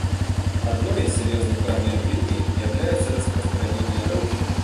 Одной из серьезных проблем в Ливии является распространение оружия.